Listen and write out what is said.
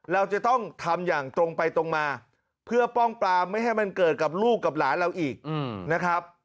เราจะต้องทำอย่างตรงไปตรงมาเพื่อป้องปลาไม่ให้มันเกิดกับลูกกับหลานเราอีกนะครับ